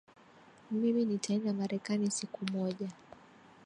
Mimi nitaenda marekani siku moja